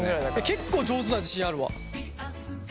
結構上手な自信あるわ。